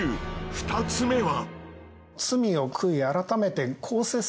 ２つ目は？